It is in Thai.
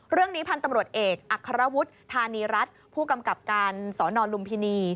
เรื่องนี้พันธุ์ตำรวจเอกอัครวุฒิธานีรัฐผู้กำกับการสนลุมพินี